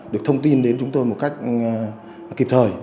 được thông tin đến chúng tôi một cách kịp thời